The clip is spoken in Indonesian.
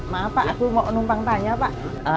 maaf pak aku mau numpang tanya pak